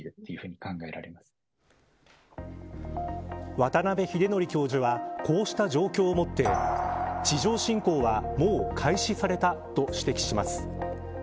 渡邉英徳教授はこうした状況をもって地上侵攻は、もう開始されたと指摘します。